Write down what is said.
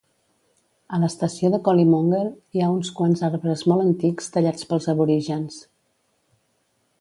A l'estació de Collymongle hi ha uns quants arbres molt antics tallats pels aborígens.